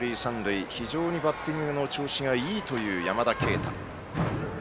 バッターは非常にバッティングの調子がいいという山田渓太。